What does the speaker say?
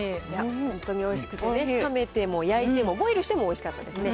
本当においしくてね、冷めても焼いてもボイルしてもおいしかったですね。